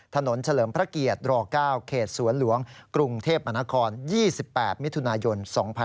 เฉลิมพระเกียรติร๙เขตสวนหลวงกรุงเทพมนาคม๒๘มิถุนายน๒๕๖๒